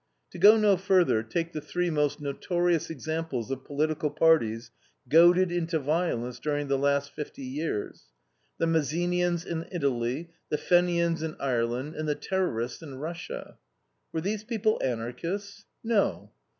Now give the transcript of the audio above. To go no further, take the three most notorious examples of political parties goaded into violence during the last fifty years: the Mazzinians in Italy, the Fenians in Ireland, and the Terrorists in Russia. Were these people Anarchists? No.